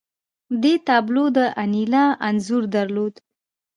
دې تابلو د انیلا انځور درلود